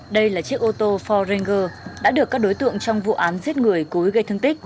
đây là chiếc ô tô ford ranger đã được các đối tượng trong vụ án giết người cúi gây thương tích